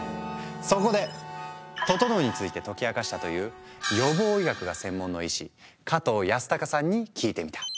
そこで「ととのう」について解き明かしたという予防医学が専門の医師加藤容祟さんに聞いてみた。